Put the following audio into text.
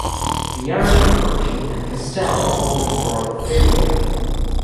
The Arabic version and Castell hold it for "theriac".